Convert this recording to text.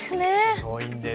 すごいんです。